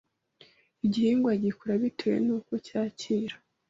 Igihingwa gikura bitewe n’uko cyakira